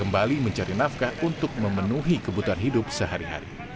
kembali mencari nafkah untuk memenuhi kebutuhan hidup sehari hari